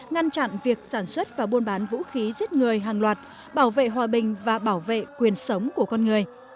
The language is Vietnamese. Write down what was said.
ngăn chặn việc sản xuất và buôn bán vũ khí giết người hàng loạt bảo vệ hòa bình và bảo vệ quyền sống của con người